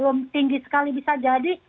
orang orang yang positif atau tidak bisa jadi